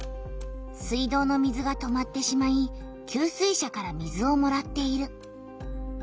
水道の水が止まってしまい給水車から水をもらっている。